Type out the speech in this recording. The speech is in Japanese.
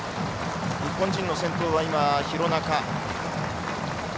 日本人の先頭は廣中。